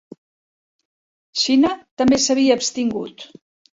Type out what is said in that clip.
Xina també s'havia abstingut.